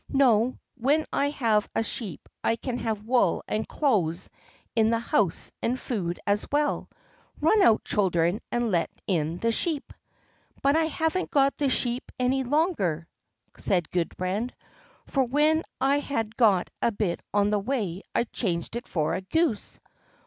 No, when I have a sheep I can have wool and clothes in the house and food as well. Run out, children, and let in the sheep." "But I haven't got the sheep any longer," said Gudbrand, "for when I had got a bit on the way I changed it for a goose."